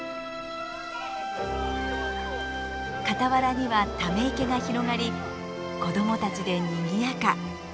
傍らにはため池が広がり子どもたちでにぎやか。